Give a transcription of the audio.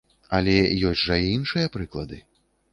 Але ёсць жа і іншыя прыклады.